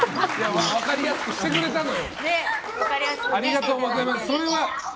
分かりやすくしてくれたのよ。